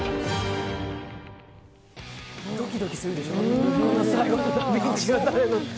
ドキドキするでしょ。